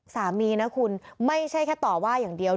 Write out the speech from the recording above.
สามีนะคุณไม่ใช่แค่ต่อว่าอย่างเดียว